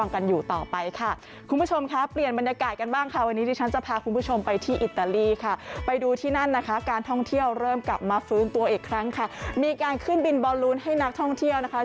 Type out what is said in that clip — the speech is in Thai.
คุณผู้ชมตัวอีกครั้งค่ะมีการขึ้นบินบอลลูนให้นักท่องเที่ยวนะคะ